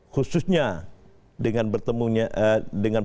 khususnya dengan pertemuan dengan